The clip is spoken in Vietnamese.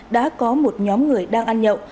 đã có một nhóm người đang ăn nhậu